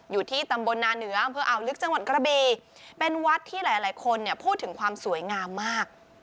อยู่ที่ตำบลนาเหนืออำเภออ่าวลึกจังหวัดกระบีเป็นวัดที่หลายคนเนี่ยพูดถึงความสวยงามมาก